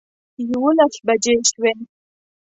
یوولس بجې شوې.